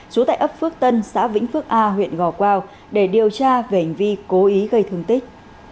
trú tại ấp phước tân xã vĩnh phước a huyện gò quao để điều tra về hành vi cố ý gây thương tích